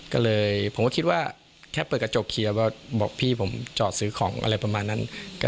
ก็เลยผมก็คิดว่าแค่เปิดกระจกเคลียร์บอกพี่ผมจอดซื้อของอะไรประมาณนั้น